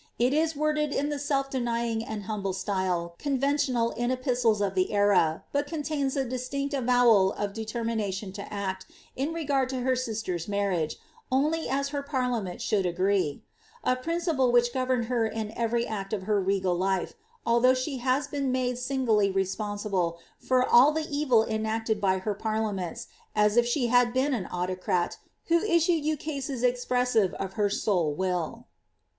It is worded in the self denying and humble style, conventional in epistles of the era, but contains t distinct avowal of determination to act, in r^rd to her sister's mar riage, only as her parliament should agree ; a principle which governed her in every act of her regal life, although she has been made singly re sponsible for all the evil enacted by her parliaments, as if she had been an autocrat, who issued ukases expressive of her sole will.